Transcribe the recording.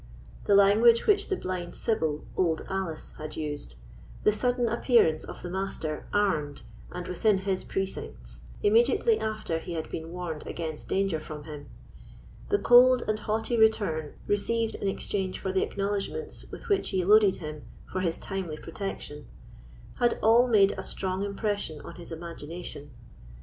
The language which the blind sibyl, Old Alice, had used; the sudden appearance of the Master, armed, and within his precincts, immediately after he had been warned against danger from him; the cold and haughty return received in exchange for the acknowledgments with which he loaded him for his timely protection, had all made a strong impression on his imagination.